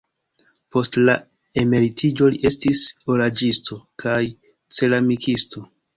Post la emeritiĝo li estis oraĵisto kaj ceramikisto.